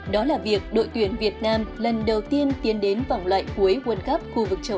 đó là việc đội tuyển việt nam lần đầu tiên tiến đến vòng loại cuối world cup khu vực châu á